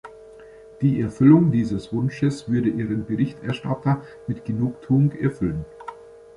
Die Erfüllung dieses Wunsches würde Ihren Berichterstatter mit Genugtuung erfüllen.